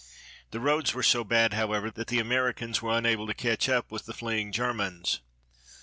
The roads were so bad, however, that the Americans were unable to catch up with the fleeing Germans.